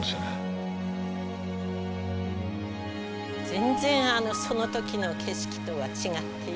全然その時の景色とは違っているので。